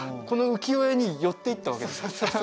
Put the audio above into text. この浮世絵に寄っていったわけですね